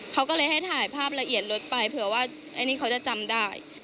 เขาก็เลยให้ถ่ายภาพละเอียดรถไปเผื่อว่าอันนี้เขาจะจำได้